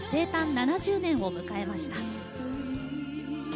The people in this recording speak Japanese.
７０年を迎えました。